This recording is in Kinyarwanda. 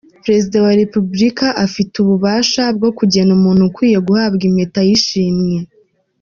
Perezida wa Repubulika afite ububasha bwo kugena umuntu ukwiye guhabwa impeta y’ishimwe.